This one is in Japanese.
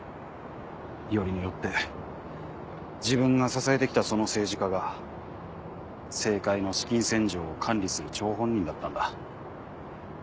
よりによって自分が支えてきたその政治家が政界の資金洗浄を管理する張本人だったんだ。